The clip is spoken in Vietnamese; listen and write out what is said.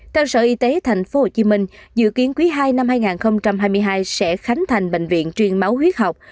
theo sở y tế tp hcm dự kiến quý ii năm hai nghìn hai mươi hai sẽ khánh thành bệnh viện truyền máu huyết học